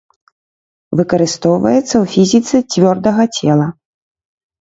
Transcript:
Выкарыстоўваецца ў фізіцы цвёрдага цела.